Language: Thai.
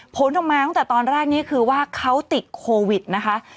โพสต์ออกมาตอนแรกนี้คือว่าเขาติดโควิดนะคะ